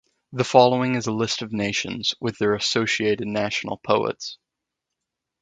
The following is a list of nations, with their associated national poets.